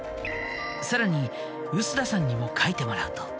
さらに臼田さんにも描いてもらうと。